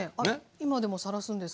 今でもさらすんですけど。